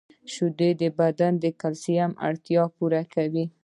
• شیدې د بدن د کلسیم اړتیا پوره کوي.